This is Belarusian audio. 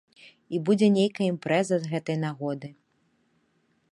І будзе нейкая імпрэза з гэтай нагоды.